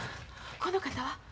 この方は？